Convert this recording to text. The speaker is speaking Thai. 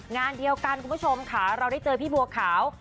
งานเดียวกันคุณผู้ชมค่ะเราได้เจอพี่บัวขาว